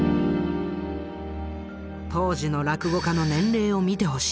当時の落語家の年齢を見てほしい。